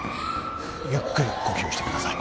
ゆっくり呼吸してください